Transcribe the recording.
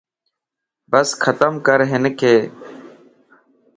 بس ختم ڪرھنڪ